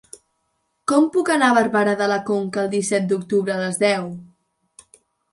Com puc anar a Barberà de la Conca el disset d'octubre a les deu?